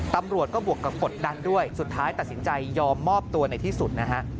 ตำรวจก็บวกกับกดดันด้วยสุดท้ายตัดสินใจยอมมอบตัวในที่สุดนะฮะ